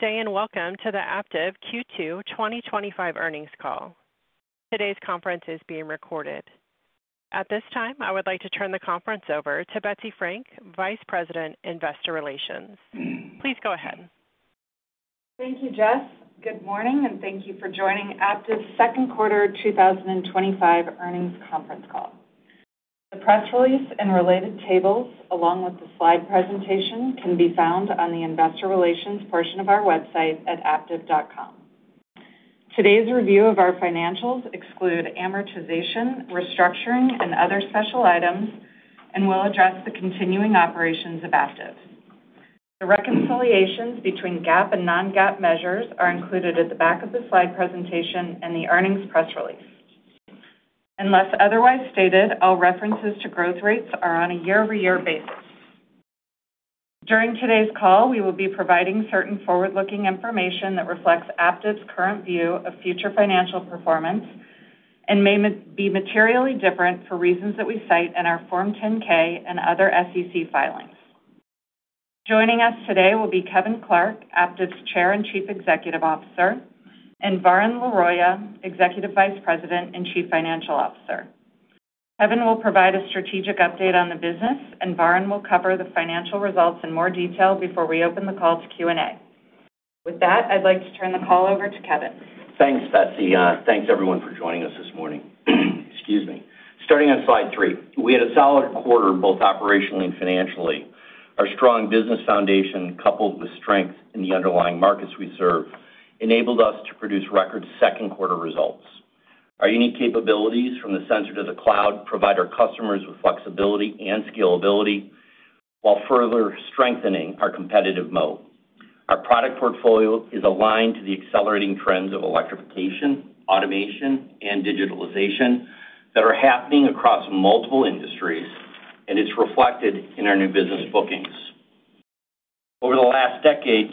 Jane, welcome to the Aptiv Q2 2025 earnings call. Today's conference is being recorded. At this time, I would like to turn the conference over to Betsy Frank, Vice President, Investor Relations. Please go ahead. Thank you, Jess. Good morning, and thank you for joining Aptiv's second quarter 2025 earnings conference call. The press release and related tables, along with the slide presentation, can be found on the Investor Relations portion of our website at aptiv.com. Today's review of our financials excludes amortization, restructuring, and other special items, and will address the continuing operations of Aptiv. The reconciliations between GAAP and non-GAAP measures are included at the back of the slide presentation and the earnings press release. Unless otherwise stated, all references to growth rates are on a year-over-year basis. During today's call, we will be providing certain forward-looking information that reflects Aptiv's current view of future financial performance and may be materially different for reasons that we cite in our Form 10-K and other SEC filings. Joining us today will be Kevin Clark, Aptiv's Chair and Chief Executive Officer, and Varun Laroyia, Executive Vice President and Chief Financial Officer. Kevin will provide a strategic update on the business, and Varun will cover the financial results in more detail before we open the call to Q&A. With that, I'd like to turn the call over to Kevin. Thanks, Betsy. Thanks, everyone, for joining us this morning. Starting on slide three, we had a solid quarter both operationally and financially. Our strong business foundation, coupled with strength in the underlying markets we serve, enabled us to produce record second quarter results. Our unique capabilities from the sensor to the cloud provide our customers with flexibility and scalability while further strengthening our competitive moat. Our product portfolio is aligned to the accelerating trends of electrification, automation, and digitalization that are happening across multiple industries, and it's reflected in our new business bookings. Over the last decade,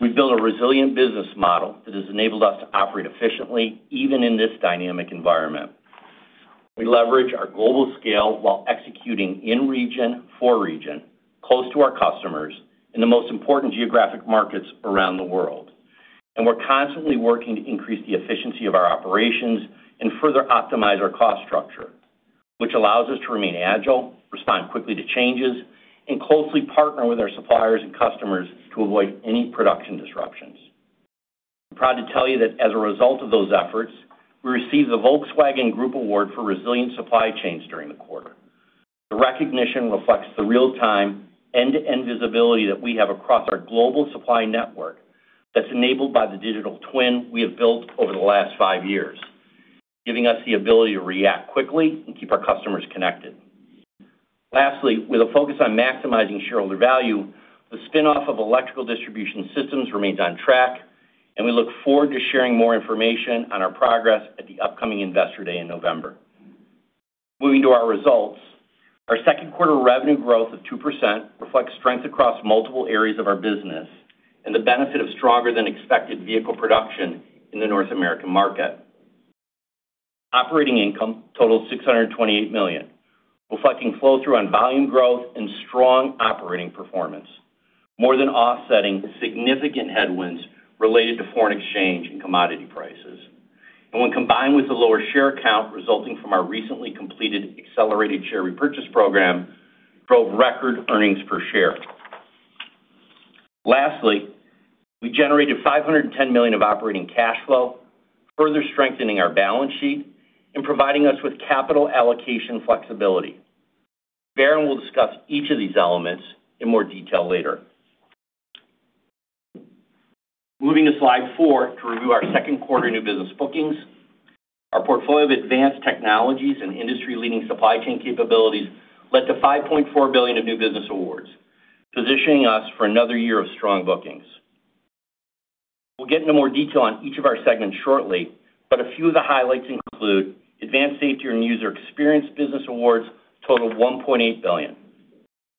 we've built a resilient business model that has enabled us to operate efficiently even in this dynamic environment. We leverage our global scale while executing in region, for region, close to our customers, and the most important geographic markets around the world. We're constantly working to increase the efficiency of our operations and further optimize our cost structure, which allows us to remain agile, respond quickly to changes, and closely partner with our suppliers and customers to avoid any production disruptions. I'm proud to tell you that as a result of those efforts, we received the Volkswagen Group Award for Resilient Supply Chains during the quarter. The recognition reflects the real-time end-to-end visibility that we have across our global supply network that's enabled by the digital twin we have built over the last five years, giving us the ability to react quickly and keep our customers connected. Lastly, with a focus on maximizing shareholder value, the spinoff of Electrical Distribution Systems remains on track, and we look forward to sharing more information on our progress at the upcoming Investor Day in November. Moving to our results, our second quarter revenue growth of 2% reflects strength across multiple areas of our business and the benefit of stronger-than-expected vehicle production in the North American market. Operating income totaled $628 million, reflecting flow-through on volume growth and strong operating performance, more than offsetting significant headwinds related to foreign exchange and commodity prices. When combined with the lower share count resulting from our recently completed accelerated share repurchase program, it drove record earnings per share. Lastly, we generated $510 million of operating cash flow, further strengthening our balance sheet and providing us with capital allocation flexibility. Varun will discuss each of these elements in more detail later. Moving to slide four to review our second quarter new business bookings, our portfolio of advanced technologies and industry-leading supply chain capabilities led to $5.4 billion of new business awards, positioning us for another year of strong bookings. We'll get into more detail on each of our segments shortly, but a few of the highlights include Advanced Safety and User Experience business awards totaled $1.8 billion,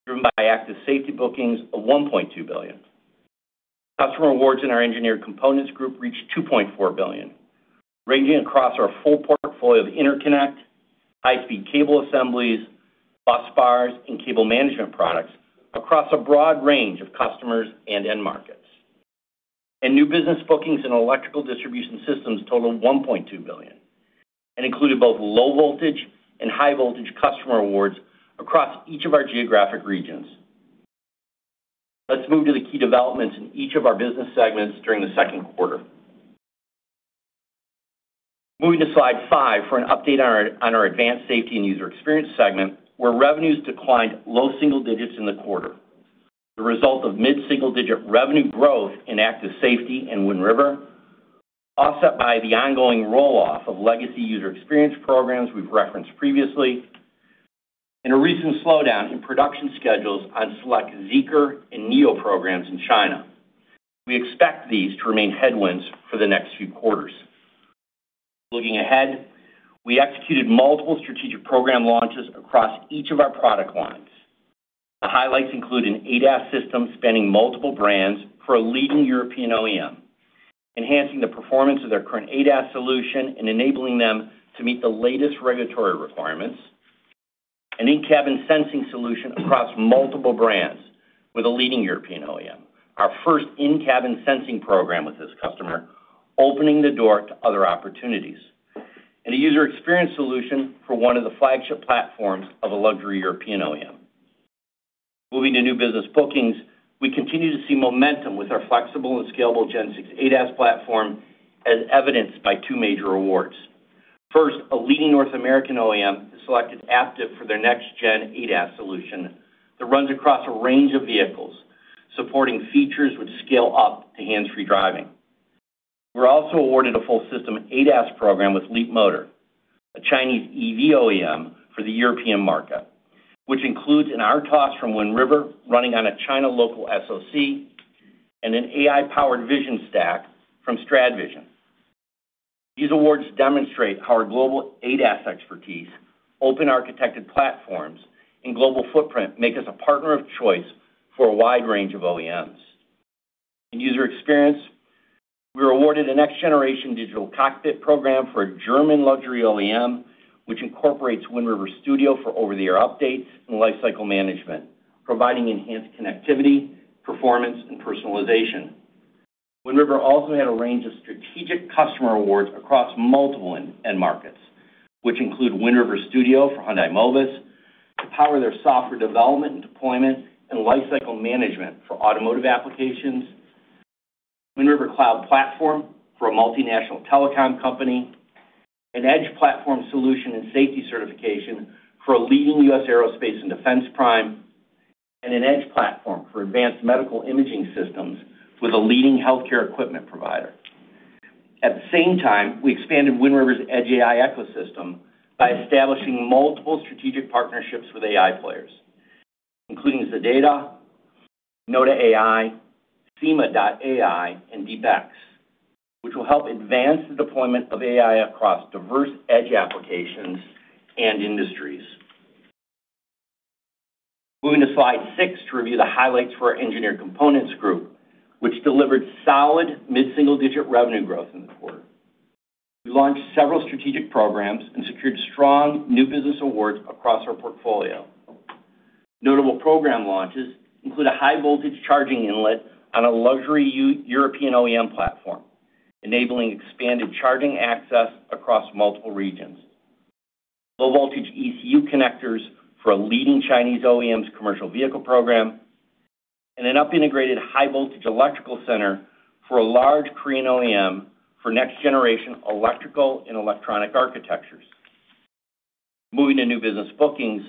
driven by Active Safety bookings of $1.2 billion. Customer awards in our Engineered Components Group reached $2.4 billion, ranging across our full portfolio of interconnect, high-speed cable assemblies, bus bars, and cable management products across a broad range of customers and end markets. New business bookings in Electrical Distribution Systems totaled $1.2 billion and included both low-voltage and high-voltage customer awards across each of our geographic regions. Let's move to the key developments in each of our business segments during the second quarter. Moving to slide five for an update on our Advanced Safety and User Experience segment, where revenues declined low single digits in the quarter. The result of mid-single digit revenue growth in Active Safety and Wind River, offset by the ongoing rolloff of legacy User Experience programs we've referenced previously, and a recent slowdown in production schedules on select Zeekr and NIO programs in China. We expect these to remain headwinds for the next few quarters. Looking ahead, we executed multiple strategic program launches across each of our product lines. The highlights include an ADAS system spanning multiple brands for a leading European OEM, enhancing the performance of their current ADAS solution and enabling them to meet the latest regulatory requirements, an in-cabin sensing solution across multiple brands with a leading European OEM, our first in-cabin sensing program with this customer, opening the door to other opportunities, and a User Experience solution for one of the flagship platforms of a luxury European OEM. Moving to new business bookings, we continue to see momentum with our flexible and scalable Gen 6 ADAS platform, as evidenced by two major awards. First, a leading North American OEM has selected Aptiv for their next-gen ADAS solution that runs across a range of vehicles, supporting features which scale up to hands-free driving. We're also awarded a full system ADAS program with Leapmotor, a Chinese EV OEM for the European market, which includes an RTOS from Wind River running on a China-local SOC and an AI-powered vision stack from StradVision. These awards demonstrate how our global ADAS expertise, open-architected platforms, and global footprint make us a partner of choice for a wide range of OEMs. In user experience, we were awarded a next-generation digital cockpit program for a German luxury OEM, which incorporates Wind River Studio for over-the-air updates and lifecycle management, providing enhanced connectivity, performance, and personalization. Wind River also had a range of strategic customer awards across multiple end markets, which include Wind River Studio for Hyundai Mobis to power their software development and deployment, and lifecycle management for automotive applications. Wind River Cloud Platform for a multinational telecom company. An edge platform solution and safety certification for a leading US aerospace and defense prime, and an edge platform for advanced medical imaging systems with a leading healthcare equipment provider. At the same time, we expanded Wind River's edge AI ecosystem by establishing multiple strategic partnerships with AI players, including Zedata, Nota AI, FEMA.AI, and DeepX, which will help advance the deployment of AI across diverse edge applications and industries. Moving to slide six to review the highlights for our Engineered Components Group, which delivered solid mid-single digit revenue growth in the quarter. We launched several strategic programs and secured strong new business awards across our portfolio. Notable program launches include a high-voltage charging inlet on a luxury European OEM platform, enabling expanded charging access across multiple regions, low-voltage ECU connectors for a leading Chinese OEM's commercial vehicle program, and an up-integrated high-voltage electrical center for a large Korean OEM for next-generation electrical and electronic architectures. Moving to new business bookings,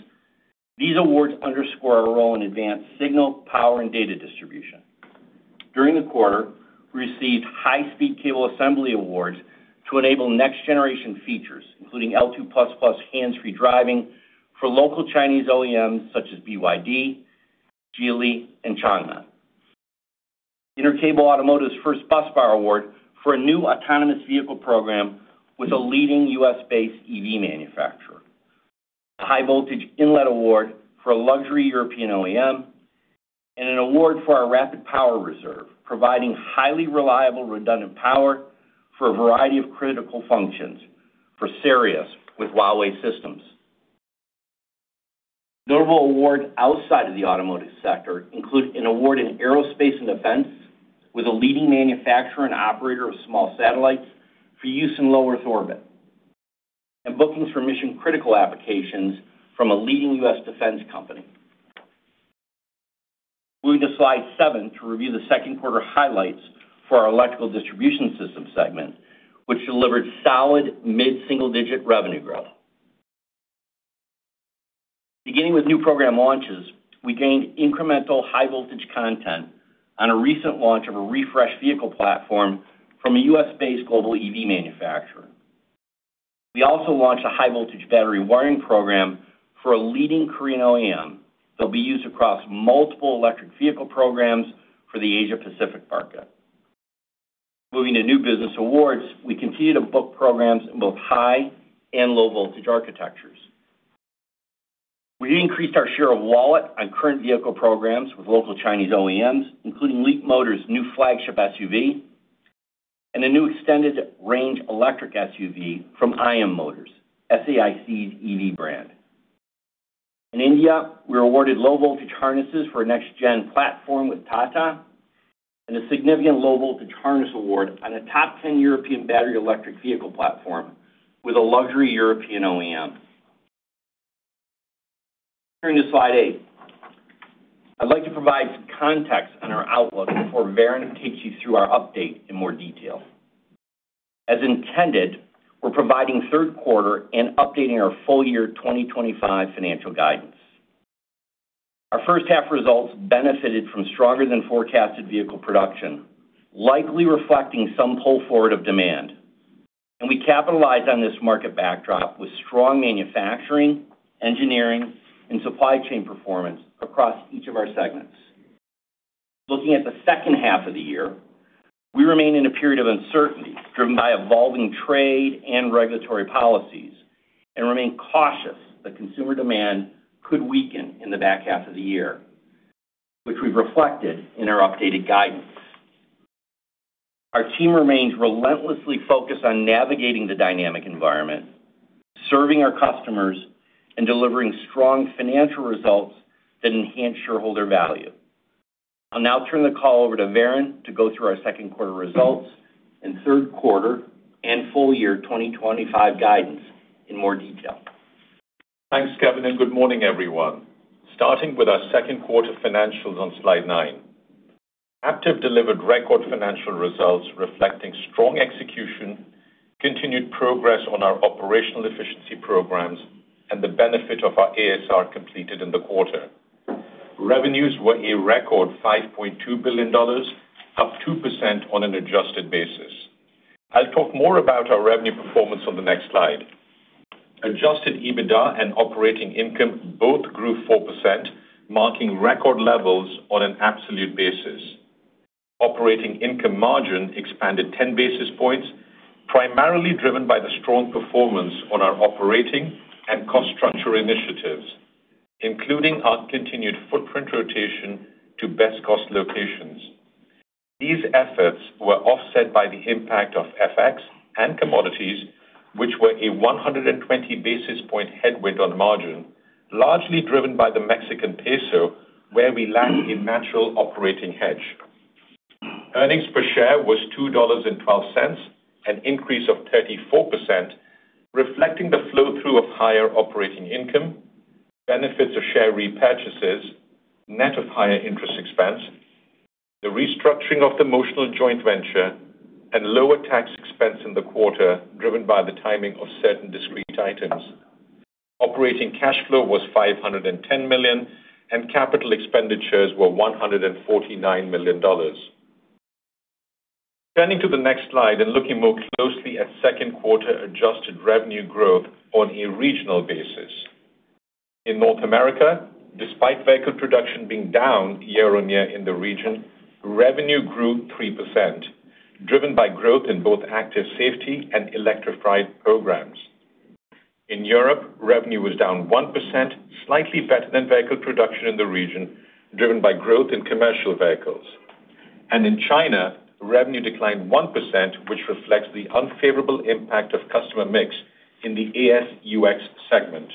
these awards underscore our role in advanced signal, power, and data distribution. During the quarter, we received high-speed cable assembly awards to enable next-generation features, including L2++ hands-free driving for local Chinese OEMs such as BYD, Geely, and Changan. Intercable Automotive's first bus bar award for a new autonomous vehicle program with a leading U.S.-based EV manufacturer, a high-voltage inlet award for a luxury European OEM, and an award for our rapid power reserve, providing highly reliable redundant power for a variety of critical functions for Seres with Huawei systems. Notable awards outside of the automotive sector include an award in aerospace and defense with a leading manufacturer and operator of small satellites for use in low-Earth orbit, and bookings for mission-critical applications from a leading US defense company. Moving to slide seven to review the second quarter highlights for our Electrical Distribution Systems segment, which delivered solid mid-single digit revenue growth. Beginning with new program launches, we gained incremental high-voltage content on a recent launch of a refreshed vehicle platform from a U.S.-based global EV manufacturer. We also launched a high-voltage battery wiring program for a leading Korean OEM that will be used across multiple electric vehicle programs for the Asia-Pacific market. Moving to new business awards, we continued to book programs in both high and low-voltage architectures. We increased our share of wallet on current vehicle programs with local Chinese OEM, including Leapmotor's new flagship SUV and a new extended range electric SUV from IM Motors, SAIC's EV brand. In India, we awarded low-voltage harnesses for a next-gen platform with Tata, and a significant low-voltage harness award on a top 10 European battery electric vehicle platform with a luxury European OEM. Turning to slide eight, I'd like to provide some context on our outlook before Varun takes you through our update in more detail. As intended, we're providing third quarter and updating our full year 2025 financial guidance. Our first-half results benefited from stronger-than-forecasted vehicle production, likely reflecting some pull forward of demand. We capitalized on this market backdrop with strong manufacturing, engineering, and supply chain performance across each of our segments. Looking at the second half of the year, we remain in a period of uncertainty driven by evolving trade and regulatory policies and remain cautious that consumer demand could weaken in the back half of the year, which we've reflected in our updated guidance. Our team remains relentlessly focused on navigating the dynamic environment, serving our customers, and delivering strong financial results that enhance shareholder value. I'll now turn the call over to Varun to go through our second quarter results and third quarter and full year 2025 guidance in more detail. Thanks, Kevin, and good morning, everyone. Starting with our second quarter financials on slide nine, Aptiv delivered record financial results reflecting strong execution, continued progress on our operational efficiency programs, and the benefit of our ASR completed in the quarter. Revenues were a record $5.2 billion, up 2% on an adjusted basis. I'll talk more about our revenue performance on the next slide. Adjusted EBITDA and operating income both grew 4%, marking record levels on an absolute basis. Operating income margin expanded 10 basis points, primarily driven by the strong performance on our operating and cost structure initiatives, including our continued footprint rotation to best cost locations. These efforts were offset by the impact of FX and commodities, which were a 120 basis point headwind on margin, largely driven by the Mexican peso, where we lacked a natural operating hedge. Earnings per share was $2.12, an increase of 34%, reflecting the flow-through of higher operating income, benefits of share repurchases, net of higher interest expense, the restructuring of the Motional joint venture, and lower tax expense in the quarter driven by the timing of certain discrete items. Operating cash flow was $510 million, and capital expenditures were $149 million. Turning to the next slide and looking more closely at second quarter adjusted revenue growth on a regional basis, in North America, despite vehicle production being down year-on-year in the region, revenue grew 3%, driven by growth in both Active Safety and electrified programs. In Europe, revenue was down 1%, slightly better than vehicle production in the region, driven by growth in commercial vehicles. In China, revenue declined 1%, which reflects the unfavorable impact of customer mix in the ASUX segment.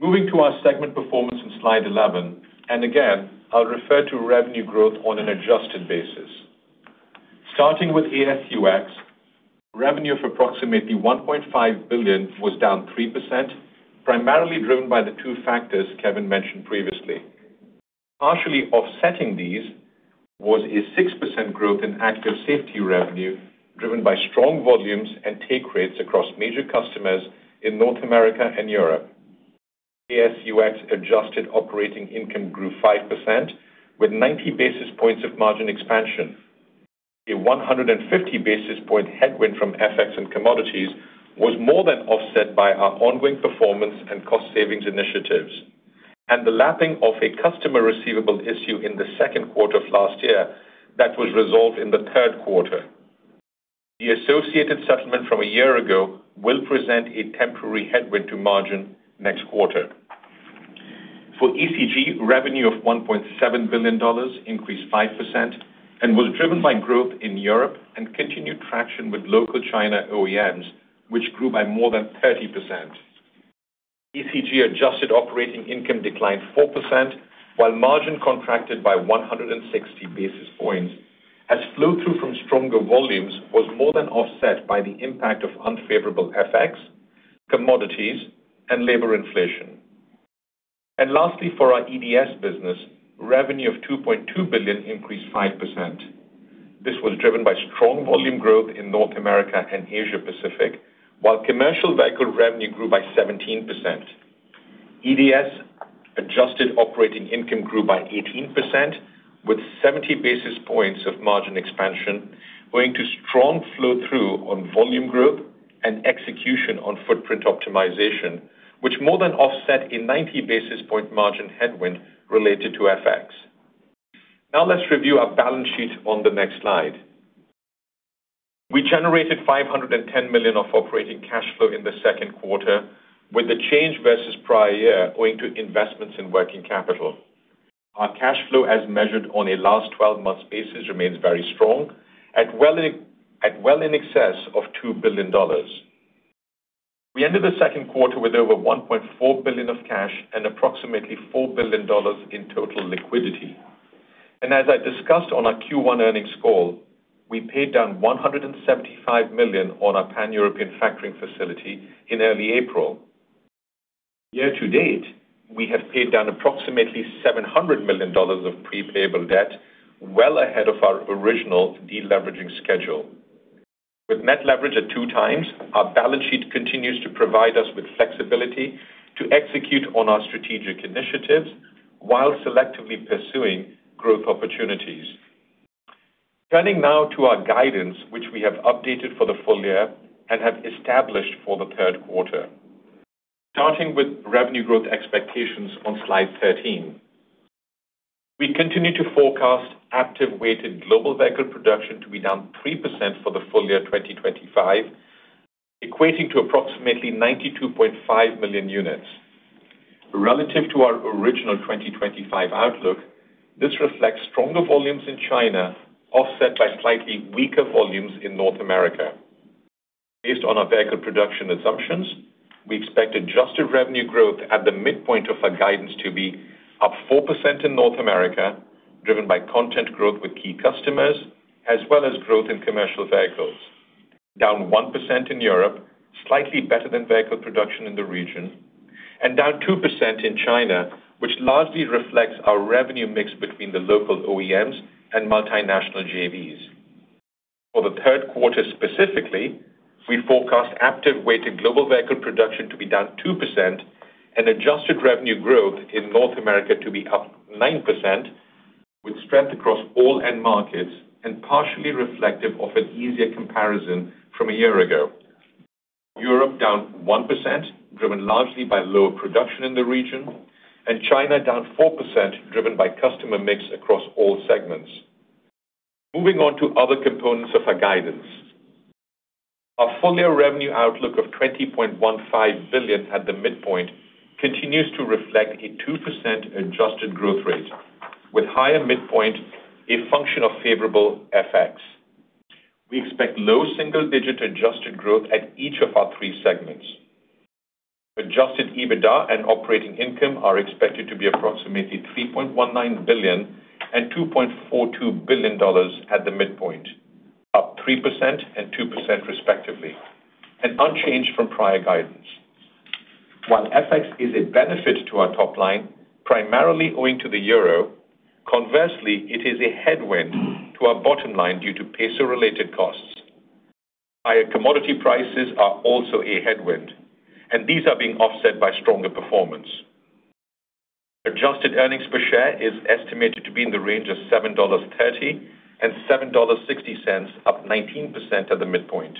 Moving to our segment performance in slide 11, and again, I'll refer to revenue growth on an adjusted basis. Starting with ASUX. Revenue of approximately $1.5 billion was down 3%, primarily driven by the two factors Kevin mentioned previously. Partially offsetting these was a 6% growth in Active Safety revenue, driven by strong volumes and take rates across major customers in North America and Europe. ASUX adjusted operating income grew 5%, with 90 basis points of margin expansion. A 150 basis point headwind from FX and commodities was more than offset by our ongoing performance and cost savings initiatives, and the lapping of a customer receivable issue in the second quarter of last year that was resolved in the third quarter. The associated settlement from a year ago will present a temporary headwind to margin next quarter. For ECG, revenue of $1.7 billion increased 5% and was driven by growth in Europe and continued traction with local China OEMs, which grew by more than 30%. ECG adjusted operating income declined 4%, while margin contracted by 160 basis points as flow-through from stronger volumes was more than offset by the impact of unfavorable FX, commodities, and labor inflation. Lastly, for our EDS business, revenue of $2.2 billion increased 5%. This was driven by strong volume growth in North America and Asia-Pacific, while commercial vehicle revenue grew by 17%. EDS adjusted operating income grew by 18%, with 70 basis points of margin expansion owing to strong flow-through on volume growth and execution on footprint optimization, which more than offset a 90 basis point margin headwind related to FX. Now let's review our balance sheet on the next slide. We generated $510 million of operating cash flow in the second quarter, with the change versus prior year owing to investments in working capital. Our cash flow, as measured on a last 12-month basis, remains very strong, at well in excess of $2 billion. We ended the second quarter with over $1.4 billion of cash and approximately $4 billion in total liquidity. As I discussed on our Q1 earnings call, we paid down $175 million on our pan-European factoring facility in early April. Year to date, we have paid down approximately $700 million of prepayable debt, well ahead of our original deleveraging schedule. With net leverage at two times, our balance sheet continues to provide us with flexibility to execute on our strategic initiatives while selectively pursuing growth opportunities. Turning now to our guidance, which we have updated for the full year and have established for the third quarter. Starting with revenue growth expectations on slide 13. We continue to forecast active-weighted global vehicle production to be down 3% for the full year 2025, equating to approximately 92.5 million units. Relative to our original 2025 outlook, this reflects stronger volumes in China, offset by slightly weaker volumes in North America. Based on our vehicle production assumptions, we expect adjusted revenue growth at the midpoint of our guidance to be up 4% in North America, driven by content growth with key customers, as well as growth in commercial vehicles. Down 1% in Europe, slightly better than vehicle production in the region, and down 2% in China, which largely reflects our revenue mix between the local OEMs and multinational JVs. For the third quarter specifically, we forecast active-weighted global vehicle production to be down 2% and adjusted revenue growth in North America to be up 9%, with strength across all end markets and partially reflective of an easier comparison from a year ago. Europe down 1%, driven largely by lower production in the region, and China down 4%, driven by customer mix across all segments. Moving on to other components of our guidance. Our full year revenue outlook of $20.15 billion at the midpoint continues to reflect a 2% adjusted growth rate, with higher midpoint a function of favorable FX. We expect low single-digit adjusted growth at each of our three segments. Adjusted EBITDA and operating income are expected to be approximately $3.19 billion and $2.42 billion at the midpoint, up 3% and 2% respectively, and unchanged from prior guidance. While FX is a benefit to our top line, primarily owing to the Euro, conversely, it is a headwind to our bottom line due to peso-related costs. Higher commodity prices are also a headwind, and these are being offset by stronger performance. Adjusted earnings per share is estimated to be in the range of $7.30 and $7.60, up 19% at the midpoint.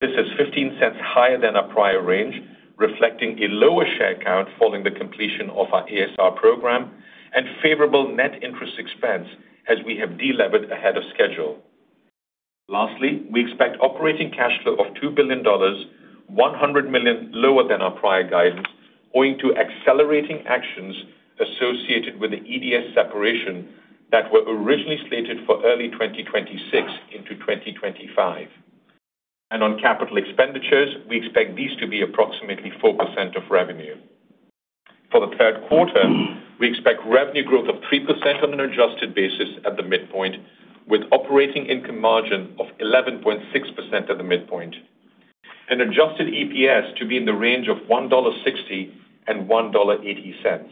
This is $0.15 higher than our prior range, reflecting a lower share count following the completion of our ASR program and favorable net interest expense as we have deleveraged ahead of schedule. Lastly, we expect operating cash flow of $2 billion, $100 million lower than our prior guidance, owing to accelerating actions associated with the EDS separation that were originally slated for early 2026 into 2025. On capital expenditures, we expect these to be approximately 4% of revenue. For the third quarter, we expect revenue growth of 3% on an adjusted basis at the midpoint, with operating income margin of 11.6% at the midpoint, and adjusted EPS to be in the range of $1.60 and $1.80.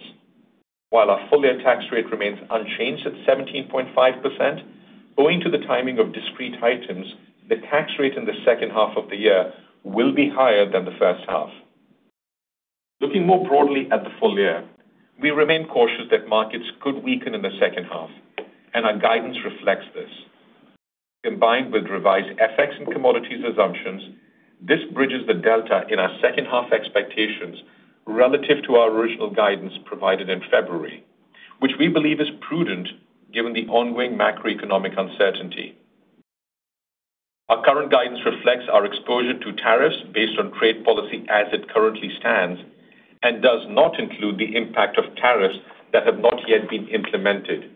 While our full year tax rate remains unchanged at 17.5%, owing to the timing of discrete items, the tax rate in the second half of the year will be higher than the first half. Looking more broadly at the full year, we remain cautious that markets could weaken in the second half, and our guidance reflects this. Combined with revised FX and commodities assumptions, this bridges the delta in our second-half expectations relative to our original guidance provided in February, which we believe is prudent given the ongoing macroeconomic uncertainty. Our current guidance reflects our exposure to tariffs based on trade policy as it currently stands and does not include the impact of tariffs that have not yet been implemented,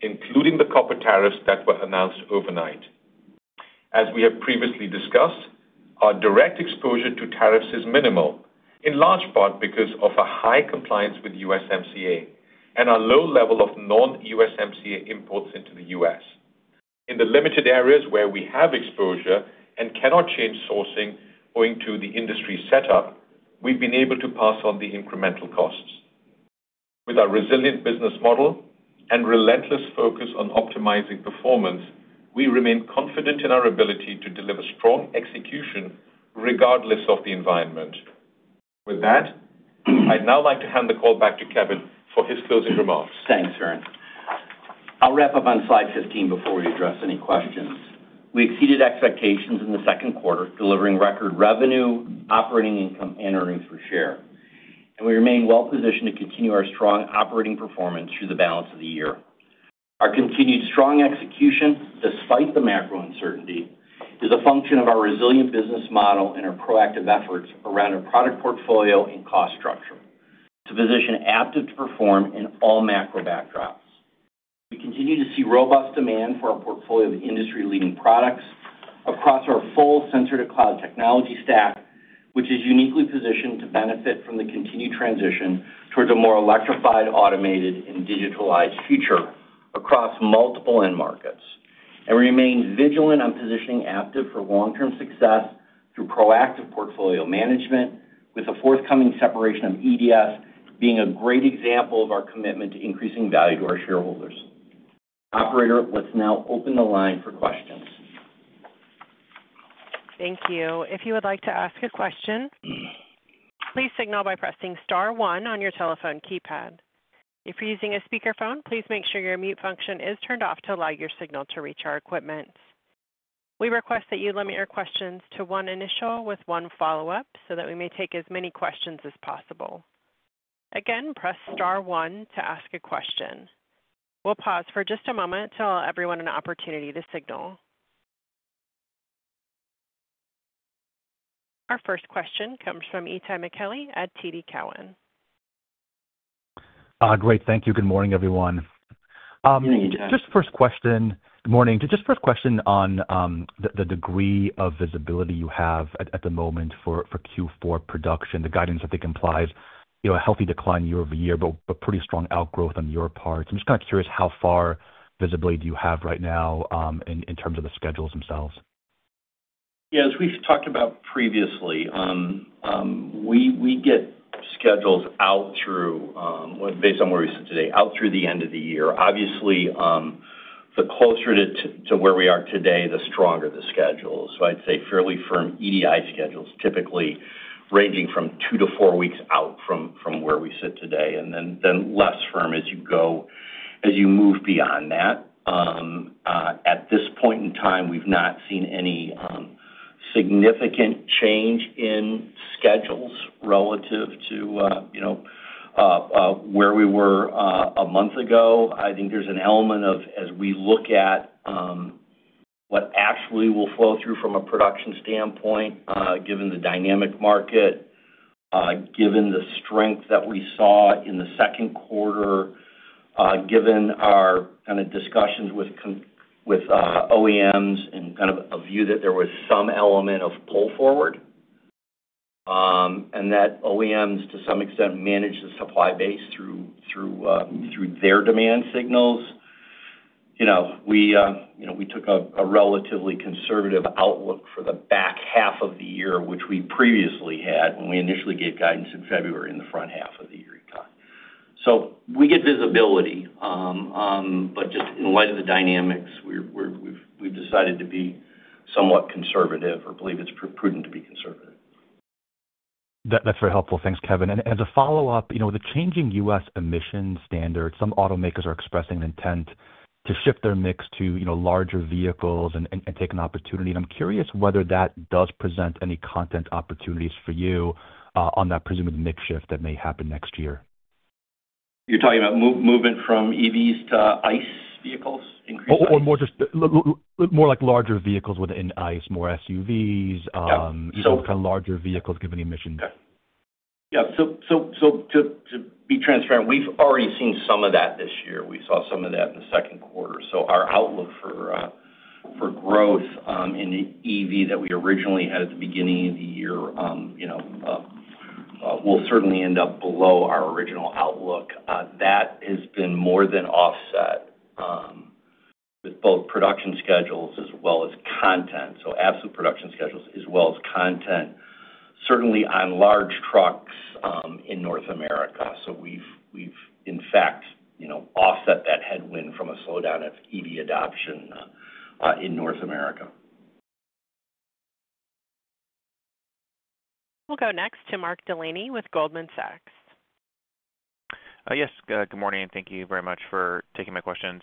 including the copper tariffs that were announced overnight. As we have previously discussed, our direct exposure to tariffs is minimal, in large part because of our high compliance with USMCA and our low level of non-USMCA imports into the U.S. In the limited areas where we have exposure and cannot change sourcing owing to the industry setup, we've been able to pass on the incremental costs. With our resilient business model and relentless focus on optimizing performance, we remain confident in our ability to deliver strong execution regardless of the environment. With that, I'd now like to hand the call back to Kevin for his closing remarks. Thanks, Varun. I'll wrap up on slide 15 before we address any questions. We exceeded expectations in the second quarter, delivering record revenue, operating income, and earnings per share. We remain well-positioned to continue our strong operating performance through the balance of the year. Our continued strong execution, despite the macro uncertainty, is a function of our resilient business model and our proactive efforts around our product portfolio and cost structure to position Aptiv to perform in all macro backdrops. We continue to see robust demand for our portfolio of industry-leading products across our full centered cloud technology stack, which is uniquely positioned to benefit from the continued transition towards a more electrified, automated, and digitalized future across multiple end markets. We remain vigilant on positioning Aptiv for long-term success through proactive portfolio management, with the forthcoming separation of EDS being a great example of our commitment to increasing value to our shareholders. Operator, let's now open the line for questions. Thank you. If you would like to ask a question, please signal by pressing star one on your telephone keypad. If you're using a speakerphone, please make sure your mute function is turned off to allow your signal to reach our equipment. We request that you limit your questions to one initial with one follow-up so that we may take as many questions as possible. Again, press star one to ask a question. We'll pause for just a moment to allow everyone an opportunity to signal. Our first question comes from Itay Michaeli at TD Cowen. Great, thank you. Good morning, everyone. Good morning, Itay. First question on the degree of visibility you have at the moment for Q4 production, the guidance that it implies, a healthy decline year over year, but pretty strong outgrowth on your part. I'm just kind of curious how far visibility do you have right now in terms of the schedules themselves. Yeah, as we've talked about previously, we get schedules out through, based on where we sit today, out through the end of the year. Obviously, the closer to where we are today, the stronger the schedules. I'd say fairly firm EDI schedules, typically ranging from two to four weeks out from where we sit today, and then less firm as you move beyond that. At this point in time, we've not seen any significant change in schedules relative to where we were a month ago. I think there's an element of, as we look at what actually will flow through from a production standpoint, given the dynamic market, given the strength that we saw in the second quarter, given our discussions with OEMs and a view that there was some element of pull forward, and that OEMs, to some extent, manage the supply base through their demand signals. We took a relatively conservative outlook for the back half of the year, which we previously had when we initially gave guidance in February in the front half of the year. We get visibility, but just in light of the dynamics, we've decided to be somewhat conservative or believe it's prudent to be conservative. That's very helpful. Thanks, Kevin. As a follow-up, with the changing US emission standards, some automakers are expressing an intent to shift their mix to larger vehicles and take an opportunity. I'm curious whether that does present any content opportunities for you on that presumed mix shift that may happen next year. You're talking about movement from EVs to ICE vehicles? Increasing? Or more like larger vehicles within ICE, more SUVs, kind of larger vehicles given the emissions. Yeah. To be transparent, we've already seen some of that this year. We saw some of that in the second quarter. Our outlook for growth in the EV that we originally had at the beginning of the year will certainly end up below our original outlook. That has been more than offset with both production schedules as well as content. Absolute production schedules as well as content, certainly on large trucks in North America. We've, in fact, offset that headwind from a slowdown of EV adoption in North America. We'll go next to Mark Delaney with Goldman Sachs. Yes. Good morning. Thank you very much for taking my questions.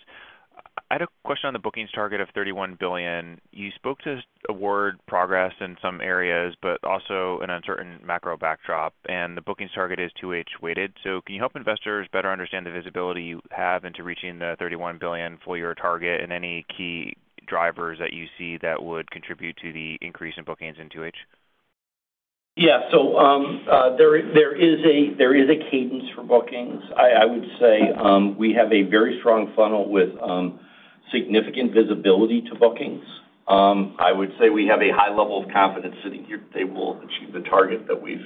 I had a question on the bookings target of $31 billion. You spoke to award progress in some areas, but also an uncertain macro backdrop. The bookings target is 2H weighted. Can you help investors better understand the visibility you have into reaching the $31 billion full year target and any key drivers that you see that would contribute to the increase in bookings in 2H? Yeah. There is a cadence for bookings. I would say we have a very strong funnel with significant visibility to bookings. I would say we have a high level of confidence that they will achieve the target that we've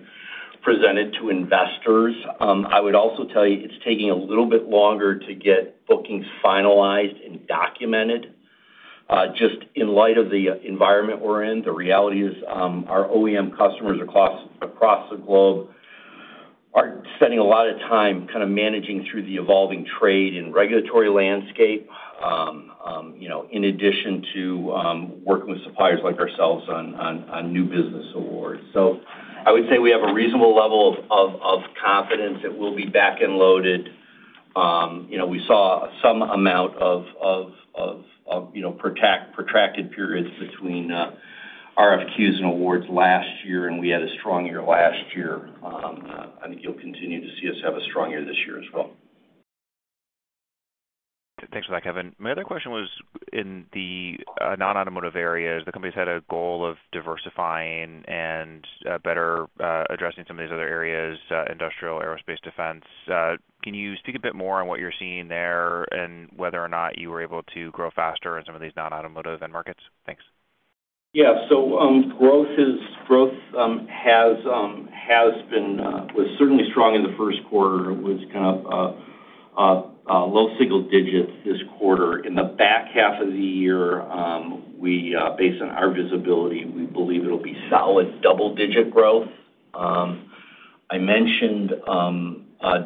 presented to investors. I would also tell you it's taking a little bit longer to get bookings finalized and documented. Just in light of the environment we're in, the reality is our OEM customers across the globe are spending a lot of time managing through the evolving trade and regulatory landscape. In addition to working with suppliers like ourselves on new business awards. I would say we have a reasonable level of confidence that we'll be back and loaded. We saw some amount of protracted periods between RFQs and awards last year, and we had a strong year last year. I think you'll continue to see us have a strong year this year as well. Thanks for that, Kevin. My other question was in the non-automotive areas. The company's had a goal of diversifying and better addressing some of these other areas, industrial, aerospace, defense. Can you speak a bit more on what you're seeing there and whether or not you were able to grow faster in some of these non-automotive end markets? Thanks. Yeah. Growth has been certainly strong in the first quarter. It was kind of low single digits this quarter. In the back half of the year, based on our visibility, we believe it'll be solid double-digit growth. I mentioned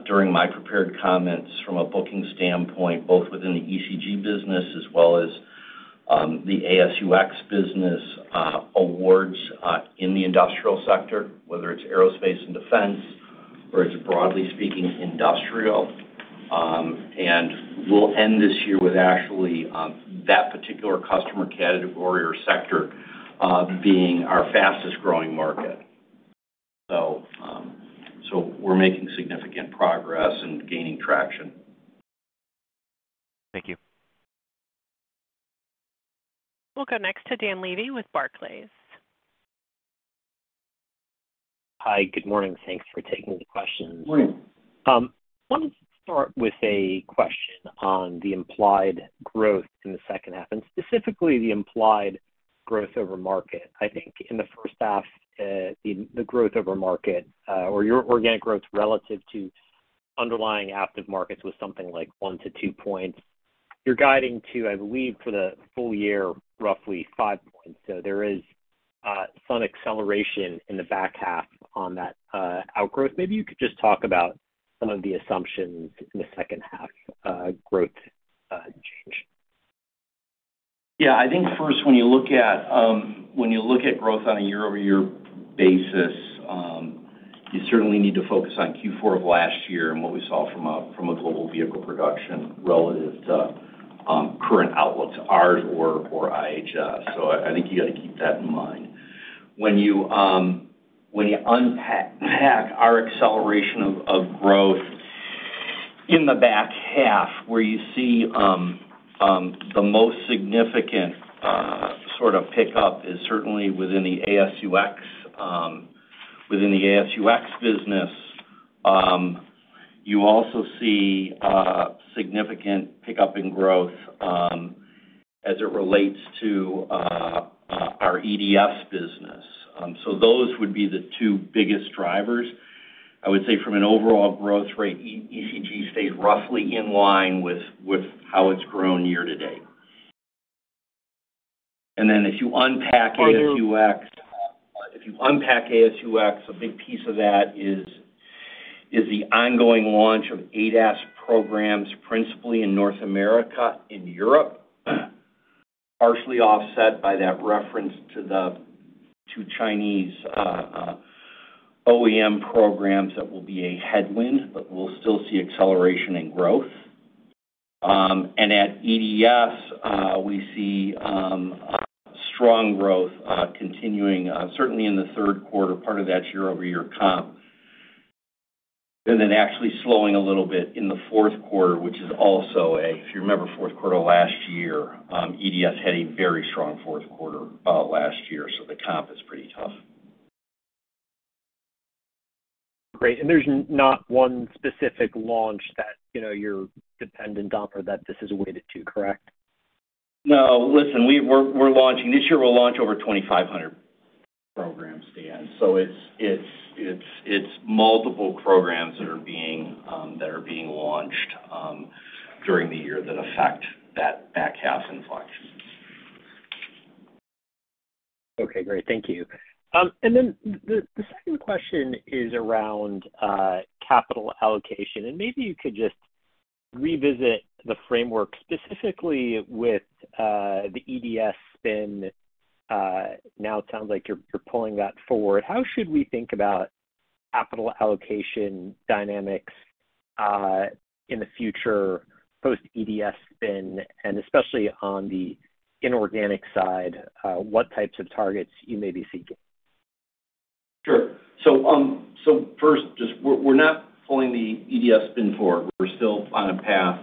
during my prepared comments from a booking standpoint, both within the ECG business as well as the ASUX business. Awards in the industrial sector, whether it's aerospace and defense or it's broadly speaking industrial. We'll end this year with actually that particular customer category or sector being our fastest-growing market. We're making significant progress and gaining traction. Thank you. We'll go next to Dan Levy with Barclays. Hi. Good morning. Thanks for taking the questions. Morning. I wanted to start with a question on the implied growth in the second half, and specifically the implied growth over market. I think in the first half, the growth over market or your organic growth relative to underlying active markets was something like one to two points. You're guiding to, I believe, for the full year, roughly five points. There is some acceleration in the back half on that outgrowth. Maybe you could just talk about some of the assumptions in the second half growth change. Yeah. I think first, when you look at growth on a year-over-year basis, you certainly need to focus on Q4 of last year and what we saw from a global vehicle production relative to current outlooks, ours or IHS. I think you got to keep that in mind. When you unpack our acceleration of growth in the back half, where you see the most significant sort of pickup is certainly within the ASUX business. You also see significant pickup in growth as it relates to our Electrical Distribution Systems business. Those would be the two biggest drivers. I would say from an overall growth rate, Engineered Components Group stays roughly in line with how it's grown year to date. If you unpack ASUX, a big piece of that is the ongoing launch of ADAS programs principally in North America and Europe, partially offset by that reference to Chinese OEM programs that will be a headwind, but we'll still see acceleration in growth. At Electrical Distribution Systems, we see. Strong growth continuing, certainly in the third quarter, part of that year-over-year comp. Then actually slowing a little bit in the fourth quarter, which is also, if you remember, fourth quarter last year, EDS had a very strong fourth quarter last year. The comp is pretty tough. Great. There's not one specific launch that you're dependent on or that this is weighted to, correct? No. Listen, we're launching this year, we'll launch over 2,500 programs to end. It's multiple programs that are being launched during the year that affect that back half inflection. Okay. Great. Thank you. The second question is around capital allocation. Maybe you could just revisit the framework specifically with the EDS spin. Now it sounds like you're pulling that forward. How should we think about capital allocation dynamics in the future post-EDS spin, and especially on the inorganic side, what types of targets you may be seeking? Sure. First, we're not pulling the EDS spin forward. We're still on a path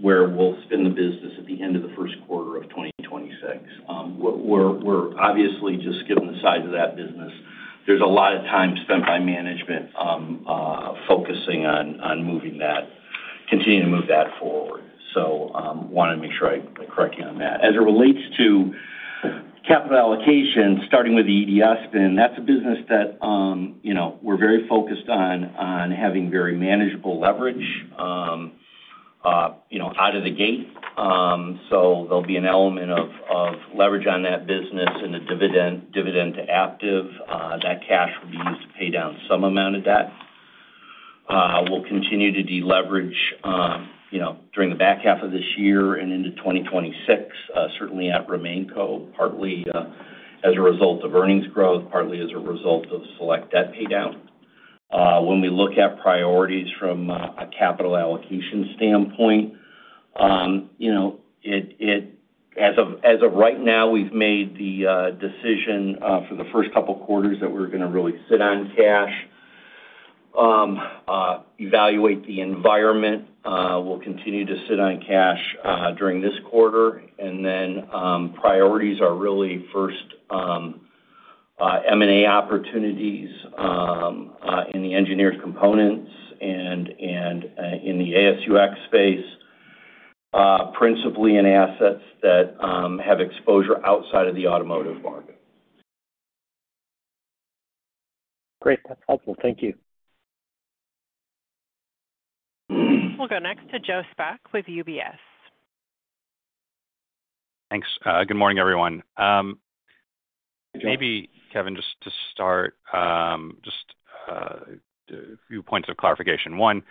where we'll spin the business at the end of the first quarter of 2026. We're obviously just given the size of that business, there's a lot of time spent by management focusing on continuing to move that forward. I want to make sure I correct you on that. As it relates to capital allocation, starting with the EDS spin, that's a business that we're very focused on having very manageable leverage out of the gate. There'll be an element of leverage on that business and a dividend to Aptiv. That cash will be used to pay down some amount of debt. We'll continue to deleverage during the back half of this year and into 2026, certainly at Remain Co, partly as a result of earnings growth, partly as a result of select debt paydown. When we look at priorities from a capital allocation standpoint, as of right now, we've made the decision for the first couple of quarters that we're going to really sit on cash, evaluate the environment. We'll continue to sit on cash during this quarter. Priorities are really first M&A opportunities in the Engineered Components and in the ASUX space, principally in assets that have exposure outside of the automotive market. Great. That's helpful. Thank you. We'll go next to Joe Spak with UBS. Thanks. Good morning, everyone. Maybe, Kevin, just to start. Just a few points of clarification. One.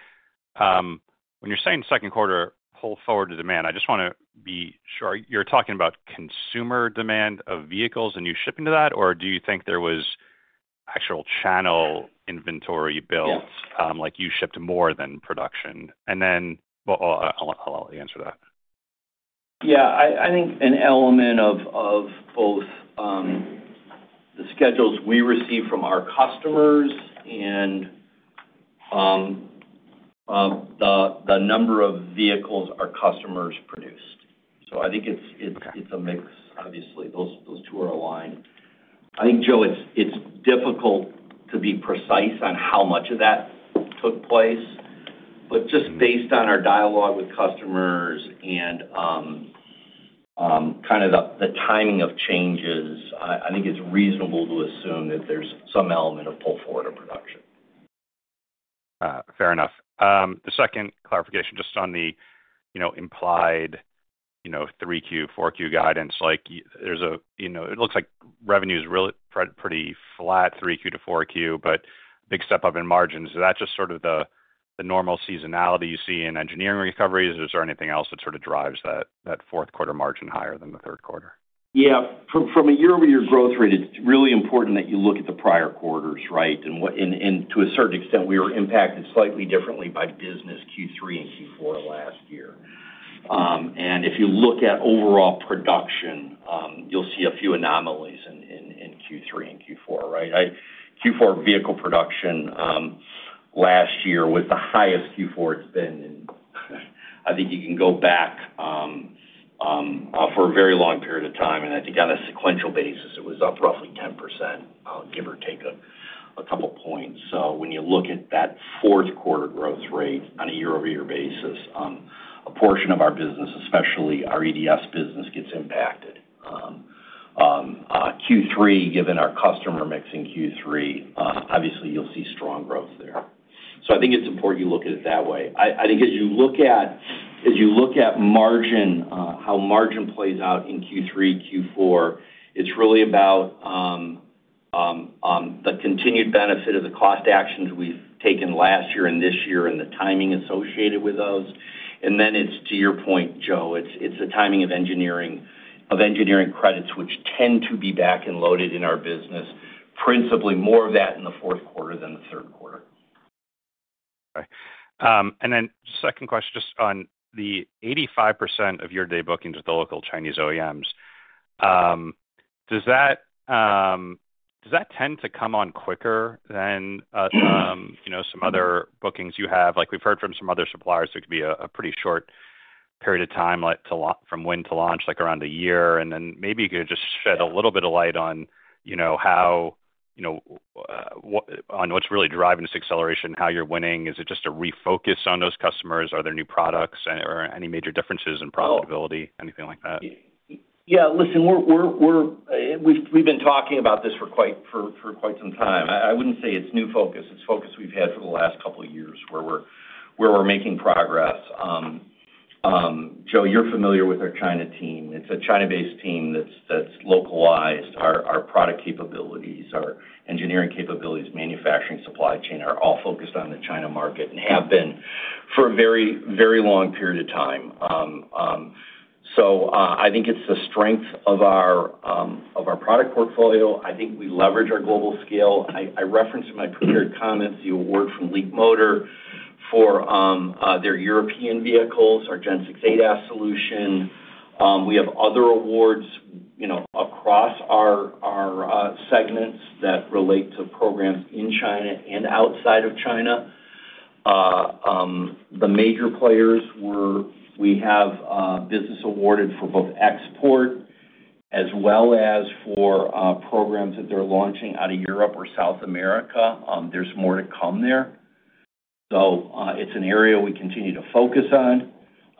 When you're saying second quarter pull forward to demand, I just want to be sure you're talking about consumer demand of vehicles and you shipping to that, or do you think there was actual channel inventory built, like you shipped more than production? I'll answer that. Yeah, I think an element of both. The schedules we receive from our customers and the number of vehicles our customers produced. I think it's a mix, obviously. Those two are aligned. I think, Joe, it's difficult to be precise on how much of that took place, but just based on our dialogue with customers and the timing of changes, I think it's reasonable to assume that there's some element of pull forward to production. Fair enough. The second clarification, just on the implied 3Q, 4Q guidance, it looks like revenue is pretty flat, 3Q to 4Q, but big step-up in margins. Is that just sort of the normal seasonality you see in engineering recoveries, or is there anything else that sort of drives that fourth quarter margin higher than the third quarter? Yeah, from a year-over-year growth rate, it's really important that you look at the prior quarters, right? To a certain extent, we were impacted slightly differently by business Q3 and Q4 last year. If you look at overall production, you'll see a few anomalies in Q3 and Q4, right? Q4 vehicle production last year was the highest Q4 it's been in. I think you can go back for a very long period of time. On a sequential basis, it was up roughly 10%, give or take a couple of points. When you look at that fourth quarter growth rate on a year-over-year basis, a portion of our business, especially our EDS business, gets impacted. Q3, given our customer mix in Q3, you'll see strong growth there. I think it's important you look at it that way. As you look at margin, how margin plays out in Q3, Q4, it's really about the continued benefit of the cost actions we've taken last year and this year and the timing associated with those. To your point, Joe, it's the timing of engineering credits, which tend to be back-end loaded in our business, principally more of that in the fourth quarter than the third quarter. Okay. Second question, just on the 85% of your day bookings with the local Chinese OEMs. Does that tend to come on quicker than some other bookings you have? We've heard from some other suppliers there could be a pretty short. Period of time from when to launch, like around a year. Maybe you could just shed a little bit of light on how, on what's really driving this acceleration, how you're winning. Is it just a refocus on those customers? Are there new products or any major differences in profitability, anything like that? Yeah. Listen. We've been talking about this for quite some time. I wouldn't say it's new focus. It's focus we've had for the last couple of years where we're making progress. Joe, you're familiar with our China team. It's a China-based team that's localized. Our product capabilities, our engineering capabilities, manufacturing, supply chain are all focused on the China market and have been for a very, very long period of time. I think it's the strength of our product portfolio. I think we leverage our global scale. I referenced in my prepared comments the award from Leapmotor for their European vehicles, our Gen 6 ADAS solution. We have other awards across our segments that relate to programs in China and outside of China. The major players. We have business awarded for both export as well as for programs that they're launching out of Europe or South America. There's more to come there. It's an area we continue to focus on.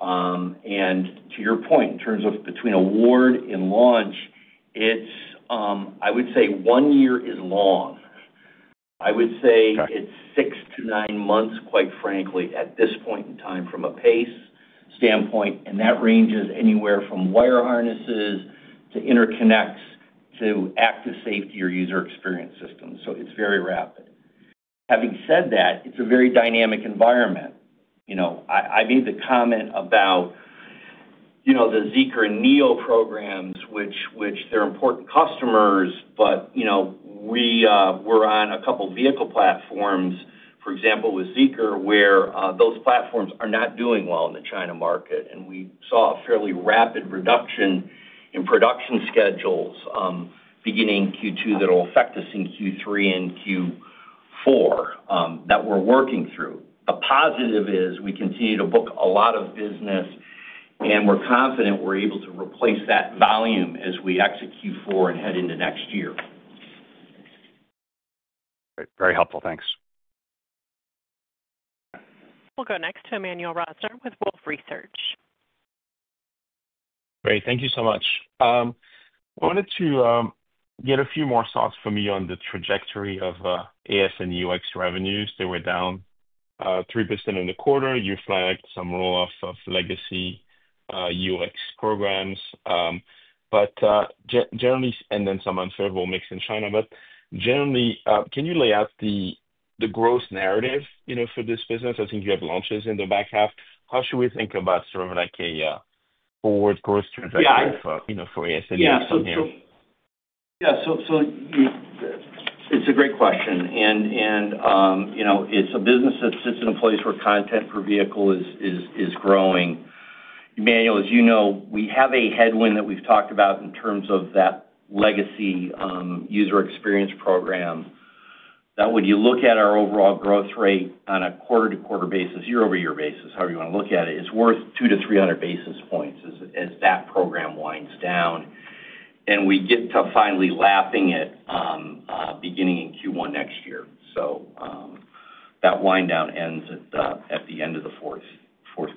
To your point, in terms of between award and launch, I would say one year is long. I would say it's six to nine months, quite frankly, at this point in time from a pace standpoint. That ranges anywhere from wire harnesses to interconnects to Active Safety or User Experience systems. It's very rapid. Having said that, it's a very dynamic environment. I made the comment about the Zeekr and NIO programs, which they're important customers, but we're on a couple of vehicle platforms, for example, with Zeekr, where those platforms are not doing well in the China market. We saw a fairly rapid reduction in production schedules beginning Q2 that will affect us in Q3 and Q4 that we're working through. The positive is we continue to book a lot of business. We're confident we're able to replace that volume as we exit Q4 and head into next year. Great. Very helpful. Thanks. We'll go next to Emmanuel Rosner with Wolfe Research. Great. Thank you so much. I wanted to get a few more thoughts from you on the trajectory of AS and UX revenues. They were down 3% in the quarter. You flagged some roll-off of legacy UX programs. But. Generally, and then some unfavorable mix in China, but generally, can you lay out the growth narrative for this business? I think you have launches in the back half. How should we think about sort of like a forward growth trajectory for AS and UX on here? Yeah. It's a great question. It's a business that sits in a place where content for vehicle is growing. Emmanuel, as you know, we have a headwind that we've talked about in terms of that legacy user experience program. When you look at our overall growth rate on a quarter-to-quarter basis, year-over-year basis, however you want to look at it, it's worth 200 to 300 basis points as that program winds down, and we get to finally lapping it beginning in Q1 next year. That wind down ends at the end of the fourth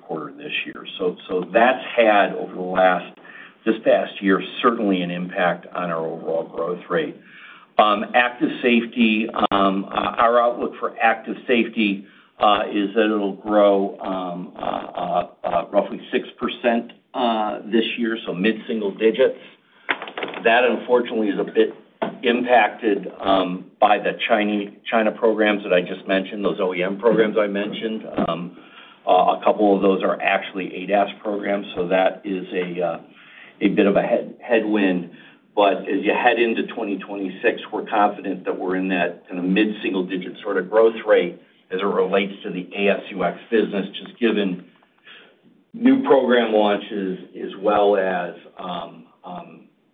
quarter of this year. That's had, over this past year, certainly an impact on our overall growth rate. Active Safety, our outlook for Active Safety is that it'll grow roughly 6% this year, so mid-single digits. That, unfortunately, is a bit impacted by the China programs that I just mentioned, those OEM programs I mentioned. A couple of those are actually ADAS programs, so that is a bit of a headwind. As you head into 2026, we're confident that we're in that kind of mid-single digit sort of growth rate as it relates to the ASUX business, just given new program launches as well as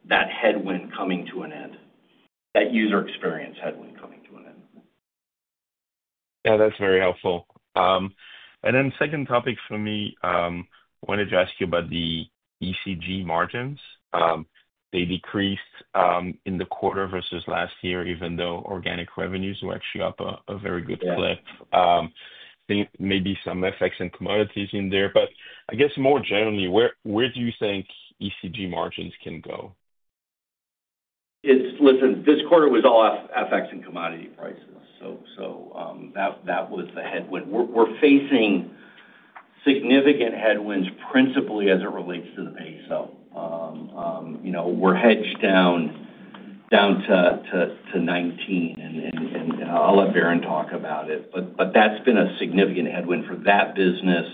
that headwind coming to an end, that user experience headwind coming to an end. Yeah, that's very helpful. The second topic for me, I wanted to ask you about the ECG margins. They decreased in the quarter versus last year, even though organic revenues were actually up a very good clip. Maybe some FX and commodities in there. More generally, where do you think ECG margins can go? This quarter was all FX and commodity prices. That was the headwind. We're facing significant headwinds principally as it relates to the peso. We're hedged down to 19. I'll let Varun talk about it, but that's been a significant headwind for that business,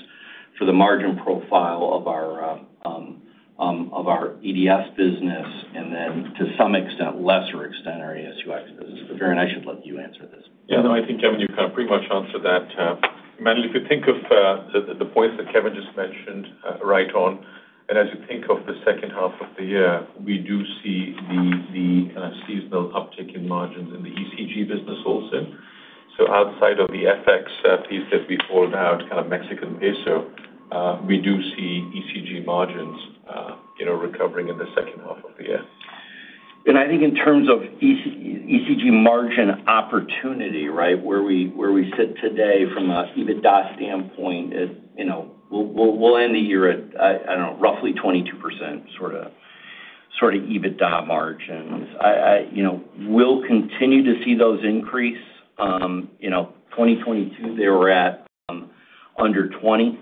for the margin profile of our EDS business, and then to some extent, lesser extent, our ASUX business. Varun, I should let you answer this. Yeah. No, I think, Kevin, you've kind of pretty much answered that. Emmanuel, if you think of the points that Kevin just mentioned right on, and as you think of the second half of the year, we do see the seasonal uptick in margins in the ECG business also. Outside of the FX piece that we pulled out, kind of Mexican peso, we do see ECG margins recovering in the second half of the year. In terms of ECG margin opportunity, right, where we sit today from an EBITDA standpoint, we'll end the year at, I don't know, roughly 22% sort of EBITDA margins. We'll continue to see those increase. In 2022, they were at under 20%.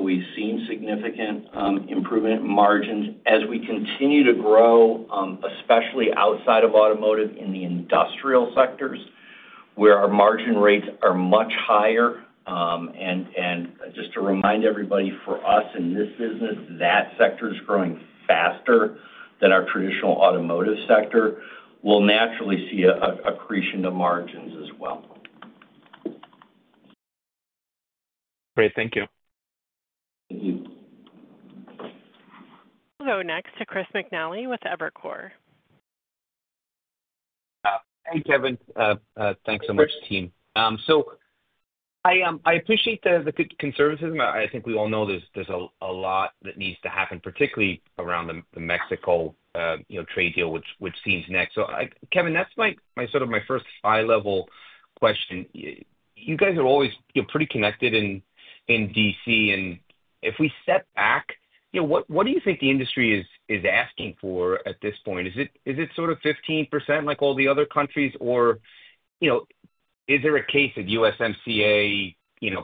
We've seen significant improvement in margins as we continue to grow, especially outside of automotive in the industrial sectors, where our margin rates are much higher. Just to remind everybody, for us in this business, that sector is growing faster than our traditional automotive sector. We'll naturally see an accretion of margins as well. Thank you. We'll go next to Chris McNally with Evercore. Hey, Kevin. Thanks so much, team. I appreciate the conservatism. I think we all know there's a lot that needs to happen, particularly around the Mexico trade deal which seems next. Kevin, that's sort of my first high-level question. You guys are always pretty connected in D.C. If we step back, what do you think the industry is asking for at this point? Is it sort of 15% like all the other countries, or is there a case that USMCA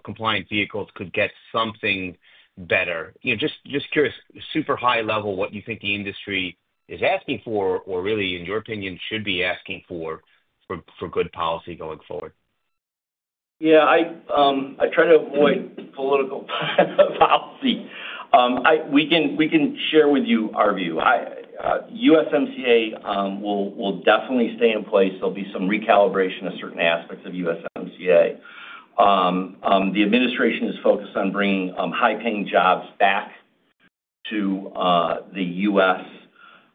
compliant vehicles could get something better? Just curious, super high-level, what you think the industry is asking for or really, in your opinion, should be asking for, for good policy going forward? Yeah. I try to avoid political policy. We can share with you our view. USMCA will definitely stay in place. There will be some recalibration of certain aspects of USMCA. The administration is focused on bringing high-paying jobs back to the U.S.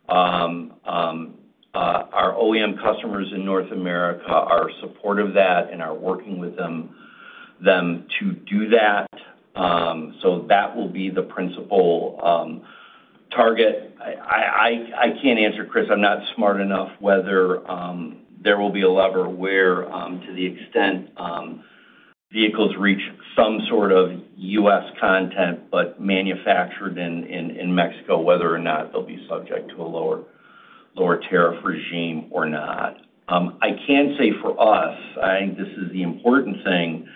Our OEM customers in North America are supportive of that and are working with them to do that. That will be the principal target. I can't answer, Chris. I'm not smart enough whether there will be a lever where, to the extent vehicles reach some sort of U.S. content but manufactured in Mexico, whether or not they'll be subject to a lower tariff regime or not. I can say for us, I think this is the important thing,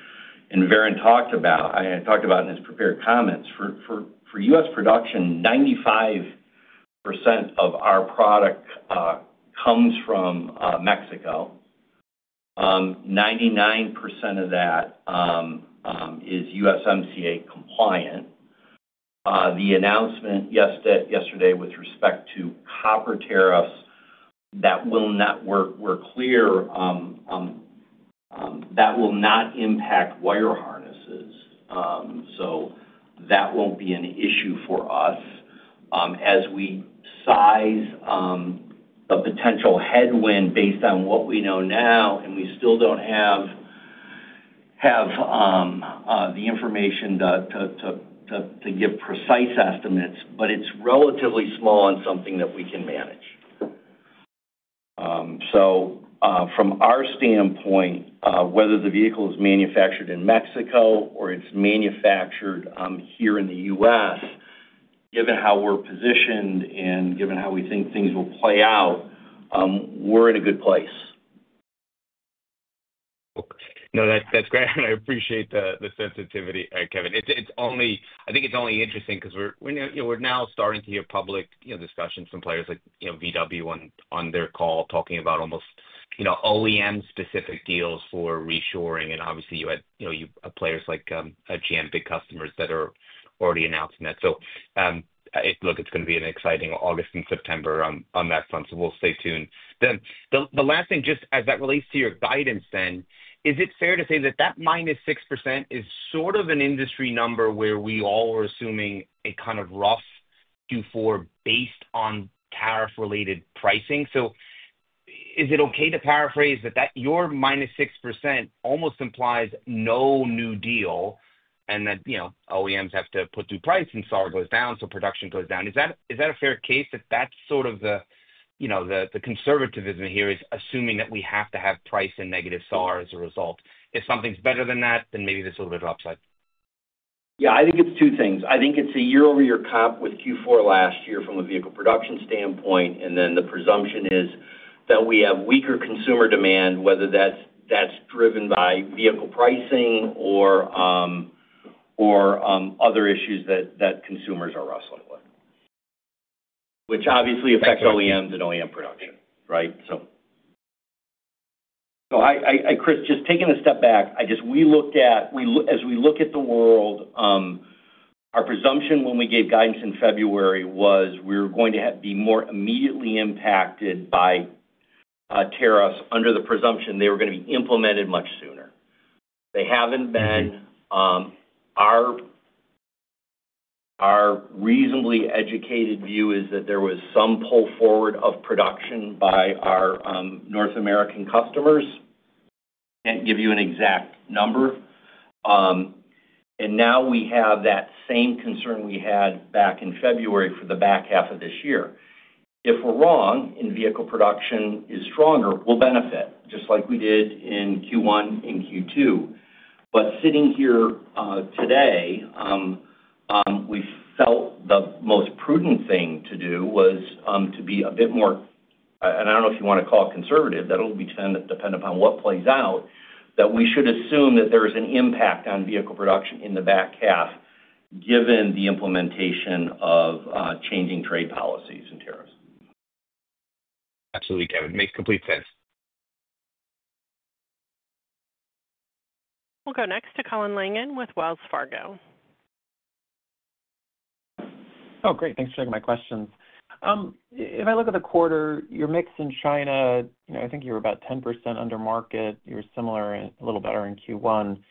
and Varun talked about, I talked about in his prepared comments, for U.S. production, 95% of our product comes from Mexico. 99% of that is USMCA compliant. The announcement yesterday with respect to copper tariffs that will not work, we're clear, that will not impact wire harnesses. That won't be an issue for us as we size. A potential headwind based on what we know now, and we still don't have the information to give precise estimates, but it's relatively small and something that we can manage. From our standpoint, whether the vehicle is manufactured in Mexico or it's manufactured here in the U.S., given how we're positioned and given how we think things will play out, we're in a good place. That's great. I appreciate the sensitivity, Kevin. I think it's only interesting because we're now starting to hear public discussion from players like VW on their call talking about almost OEM-specific deals for reshoring. Obviously, you had players like GM, big customers that are already announcing that. It's going to be an exciting August and September on that front. We'll stay tuned. The last thing, just as that relates to your guidance then, is it fair to say that that minus 6% is sort of an industry number where we all were assuming a kind of rough Q4 based on tariff-related pricing? Is it okay to paraphrase that your minus 6% almost implies no new deal and that OEMs have to put through price and SAR goes down, so production goes down? Is that a fair case that that's sort of the conservativism here, assuming that we have to have price and negative SAR as a result? If something's better than that, then maybe there's a little bit of upside. Yeah. I think it's two things. I think it's a year-over-year comp with Q4 last year from a vehicle production standpoint. The presumption is that we have weaker consumer demand, whether that's driven by vehicle pricing or other issues that consumers are wrestling with, which obviously affects OEMs and OEM production, right? Chris, just taking a step back, as we look at the world, our presumption when we gave guidance in February was we were going to be more immediately impacted by tariffs under the presumption they were going to be implemented much sooner. They haven't been. Our reasonably educated view is that there was some pull forward of production by our North American customers. Can't give you an exact number. Now we have that same concern we had back in February for the back half of this year. If we're wrong and vehicle production is stronger, we'll benefit, just like we did in Q1 and Q2. Sitting here today, we felt the most prudent thing to do was to be a bit more, and I don't know if you want to call it, conservative. That'll depend upon what plays out. We should assume that there is an impact on vehicle production in the back half given the implementation of changing trade policies and tariffs. Absolutely, Kevin. Makes complete sense. We'll go next to Colin Langan with Wells Fargo. Oh, great. Thanks for taking my questions. If I look at the quarter, your mix in China, I think you were about 10% under market. You were similar and a little better in Q1.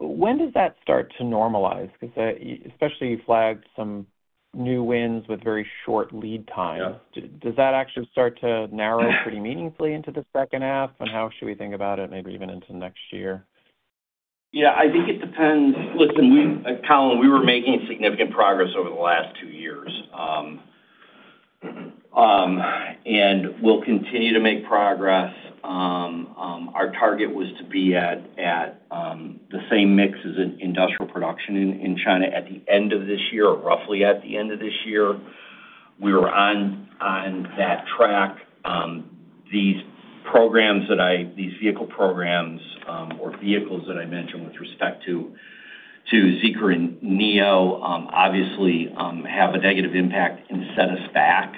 When does that start to normalize? Because especially you flagged some new wins with very short lead times. Does that actually start to narrow pretty meaningfully into the second half? How should we think about it, maybe even into next year? Yeah. I think it depends. Listen, Colin, we were making significant progress over the last two years. We'll continue to make progress. Our target was to be at the same mix as industrial production in China at the end of this year, or roughly at the end of this year. We were on that track. These vehicle programs or vehicles that I mentioned with respect to Zeekr and NIO obviously have a negative impact and set us back.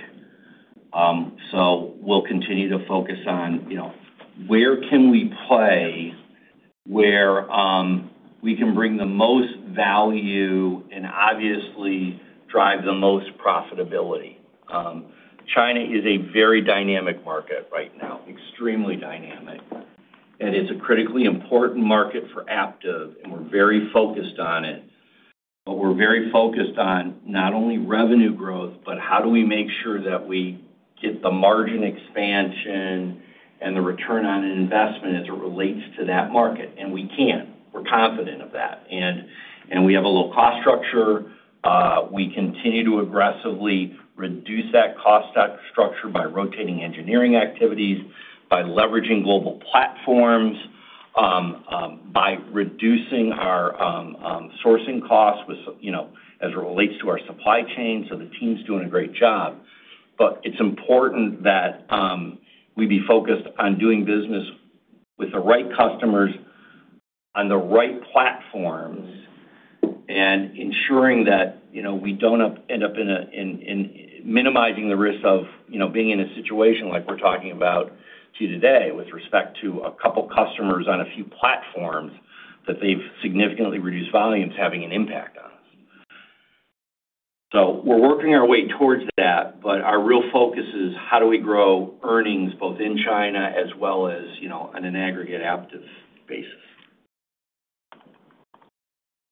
We'll continue to focus on where can we play, where we can bring the most value and obviously drive the most profitability. China is a very dynamic market right now, extremely dynamic. It's a critically important market for Aptiv, and we're very focused on it. We're very focused on not only revenue growth, but how do we make sure that we get the margin expansion and the return on investment as it relates to that market? We can. We're confident of that. We have a low-cost structure. We continue to aggressively reduce that cost structure by rotating engineering activities, by leveraging global platforms, by reducing our sourcing costs as it relates to our supply chain. The team's doing a great job. It's important that we be focused on doing business with the right customers on the right platforms and ensuring that we don't end up in minimizing the risk of being in a situation like we're talking about to you today with respect to a couple of customers on a few platforms that they've significantly reduced volumes having an impact on us. We're working our way towards that, but our real focus is how do we grow earnings both in China as well as on an aggregate Aptiv basis.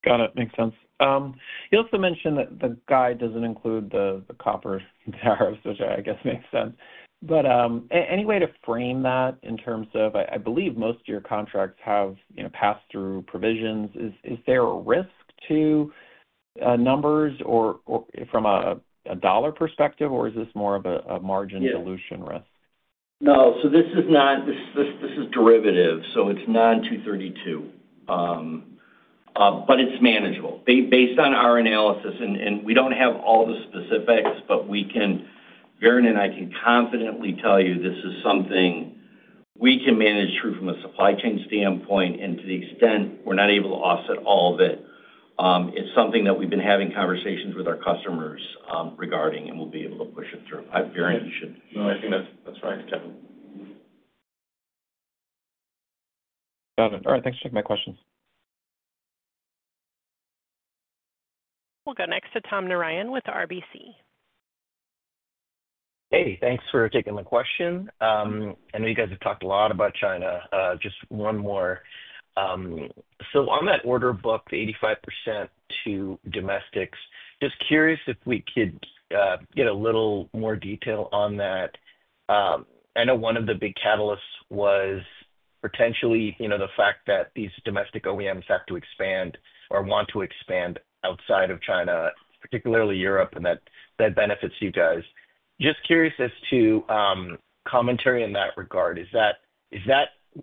Got it. Makes sense. You also mentioned that the guide doesn't include the copper tariffs, which I guess makes sense. Is there a way to frame that in terms of, I believe most of your contracts have pass-through provisions? Is there a risk to numbers from a dollar perspective, or is this more of a margin dilution risk? No, this is derivative, so it's non-232, but it's manageable based on our analysis. We don't have all the specifics, but Varun and I can confidently tell you this is something we can manage through from a supply chain standpoint. To the extent we're not able to offset all of it, it's something that we've been having conversations with our customers regarding, and we'll be able to push it through. I have Varun and you should. No, I think that's right, Kevin. Got it. All right, thanks for taking my questions. We'll go next to Tom Narayan with RBC. Hey, thanks for taking the question. I know you guys have talked a lot about China. Just one more. On that order book, the 85% to domestics, just curious if we could get a little more detail on that. I know one of the big catalysts was potentially the fact that these domestic OEMs have to expand or want to expand outside of China, particularly Europe, and that benefits you guys. Just curious as to commentary in that regard. Is that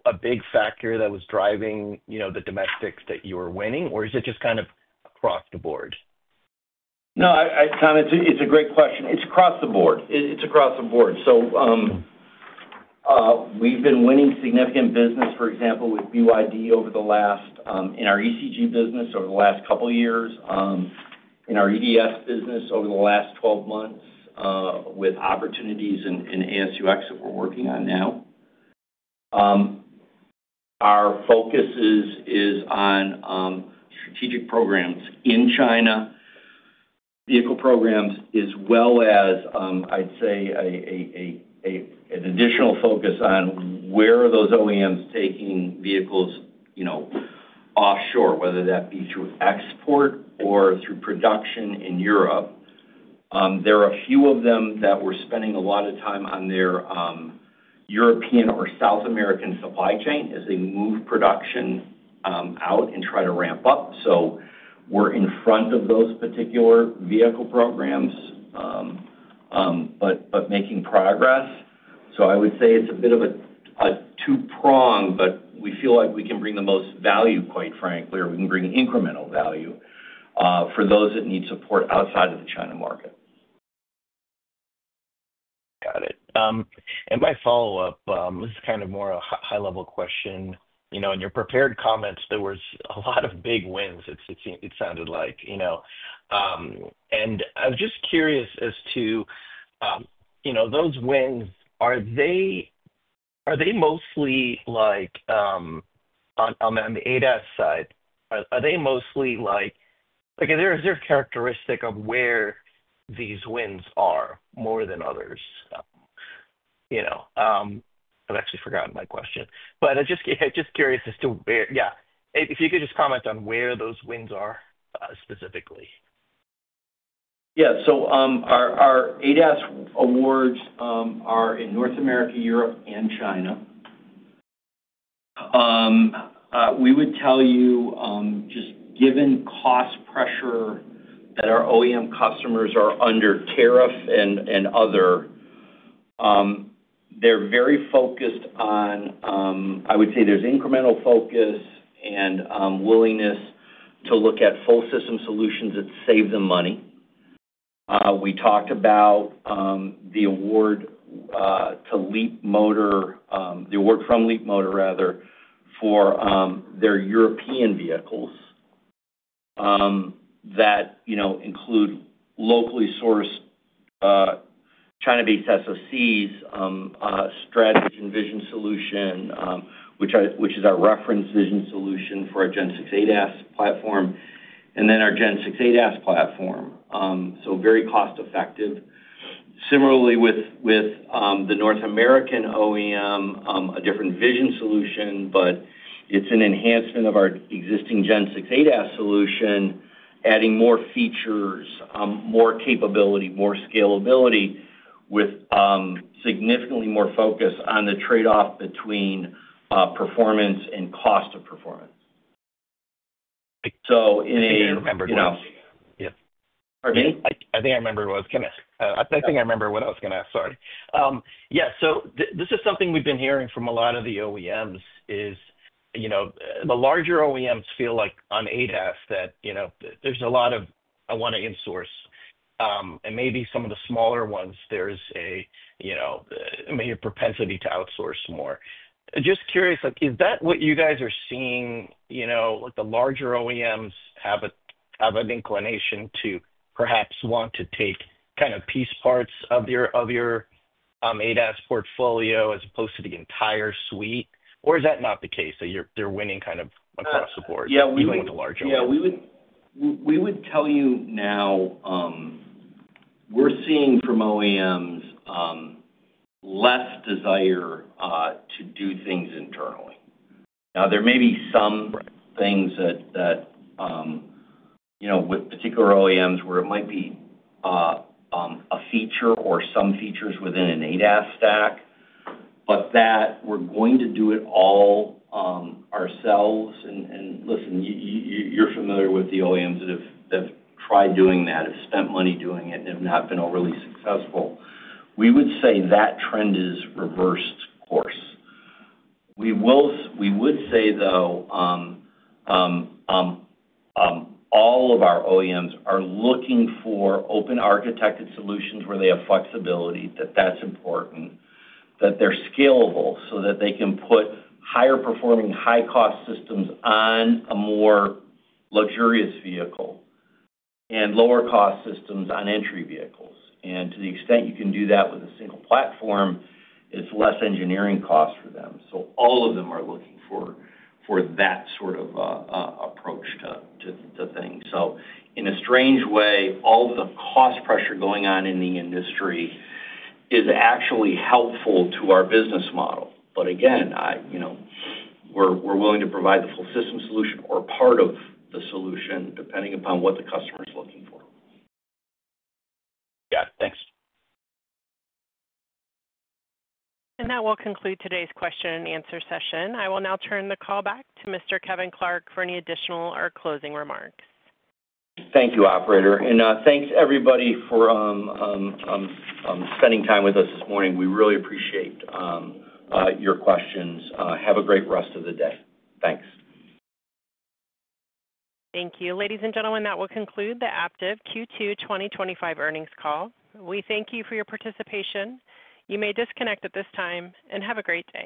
a big factor that was driving the domestics that you were winning, or is it just kind of across the board? No, Tom, it's a great question. It's across the board. We've been winning significant business, for example, with BYD in our ECG business over the last couple of years, in our EDS business over the last 12 months, with opportunities in ASUX that we're working on now. Our focus is on strategic programs in China, vehicle programs, as well as, I'd say, an additional focus on where those OEMs are taking vehicles offshore, whether that be through export or through production in Europe. There are a few of them that we're spending a lot of time on their European or South American supply chain as they move production out and try to ramp up. We're in front of those particular vehicle programs but making progress. I would say it's a bit of a two-prong, but we feel like we can bring the most value, quite frankly, or we can bring incremental value for those that need support outside of the China market. Got it. My follow-up, this is kind of more a high-level question. In your prepared comments, there were a lot of big wins, it sounded like. I'm just curious as to those wins, are they mostly. On the ADAS side, are they mostly. Is there a characteristic of where these wins are more than others? I'm just curious as to where, yeah, if you could just comment on where those wins are specifically. Our ADAS awards are in North America, Europe, and China. We would tell you, just given cost pressure that our OEM customers are under, tariff and other, they're very focused on. I would say there's incremental focus and willingness to look at full-system solutions that save them money. We talked about the award to Leapmotor, the award from Leapmotor, rather, for their European vehicles that include locally sourced China-based SoCs, Strategy and Vision Solution, which is our reference vision solution for our Gen 6 ADAS platform, and then our Gen 6 ADAS platform. So very cost-effective. Similarly, with the North American OEM, a different vision solution, but it's an enhancement of our existing Gen 6 ADAS solution, adding more features, more capability, more scalability with significantly more focus on the trade-off between performance and cost of performance. I think I remembered what I was going to ask. Sorry. This is something we've been hearing from a lot of the OEMs. The larger OEMs feel like on ADAS that there's a lot of, "I want to insource." Maybe some of the smaller ones, there's a propensity to outsource more. Just curious, is that what you guys are seeing? The larger OEMs have an inclination to perhaps want to take kind of piece parts of your ADAS portfolio as opposed to the entire suite? Or is that not the case, that they're winning kind of across the board? Even with the larger OEMs? We would tell you now we're seeing from OEMs less desire to do things internally. Now, there may be some things that with particular OEMs where it might be a feature or some features within an ADAS stack, but that we're going to do it all ourselves. Listen, you're familiar with the OEMs that have tried doing that, have spent money doing it, and have not been overly successful. We would say that trend has reversed course. We would say, though, all of our OEMs are looking for open-architected solutions where they have flexibility, that that's important, that they're scalable so that they can put higher-performing, high-cost systems on a more luxurious vehicle and lower-cost systems on entry vehicles. To the extent you can do that with a single platform, it's less engineering cost for them. All of them are looking for that sort of approach to things. In a strange way, all of the cost pressure going on in the industry is actually helpful to our business model. We're willing to provide the full-system solution or part of the solution, depending upon what the customer is looking for. Got it. Thanks. That will conclude today's question-and-answer session. I will now turn the call back to Mr. Kevin Clark for any additional or closing remarks. Thank you, operator. Thanks, everybody, for spending time with us this morning. We really appreciate your questions. Have a great rest of the day. Thanks. Thank you. Ladies and gentlemen, that will conclude the Aptiv Q2 2025 earnings call. We thank you for your participation. You may disconnect at this time and have a great day.